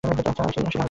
আচ্ছা, আসি তাহলে।